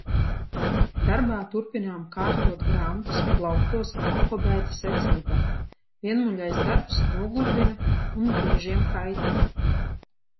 Darbā turpinām kārtot grāmatas plauktos alfabēta secībā. Vienmuļais darbs nogurdina un brīžiem kaitina.